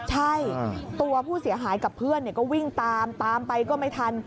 ใช่ตัวผู้เสียหายกับเพื่อนก็วิ่งตามตามไปก็ไม่ทัน